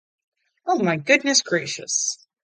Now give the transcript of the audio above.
Oh, my good goodness gracious!